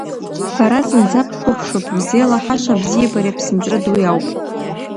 Бара зынӡа бқәыԥшуп, бзеилаҳаша абзиабареи аԥсынҵры дуи ауп!